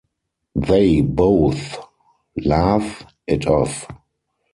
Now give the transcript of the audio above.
They both laugh it off.